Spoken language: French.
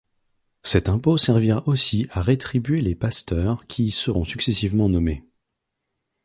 Cet impôt servira aussi à rétribuer les pasteurs qui y seront successivement nommés.